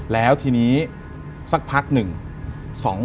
แล้วทีนี้สักพักหนึ่ง